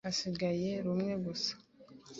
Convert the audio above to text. Hasigaye rumwe gusa.